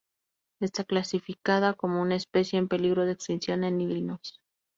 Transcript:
Está clasificada como una especie en peligro de extinción en Illinois.